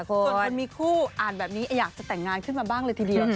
ส่วนคนมีคู่อ่านแบบนี้อยากจะแต่งงานขึ้นมาบ้างเลยทีเดียว